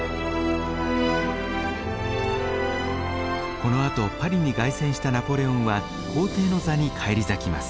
このあとパリに凱旋したナポレオンは皇帝の座に返り咲きます。